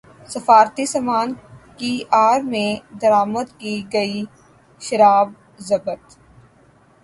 سفارتی سامان کی اڑ میں درامد کی گئی شراب ضبط